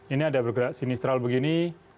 ini ada bergerak sinistral begini